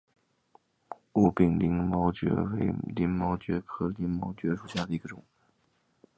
无柄鳞毛蕨为鳞毛蕨科鳞毛蕨属下的一个种。